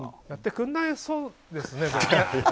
やってくれなそうですね。